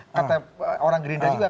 kata orang gerindra juga